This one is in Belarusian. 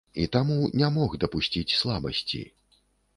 І таму не мог дапусціць слабасці.